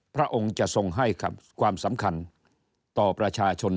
พระองค์จะทรงให้ความสำคัญต่อประชาชน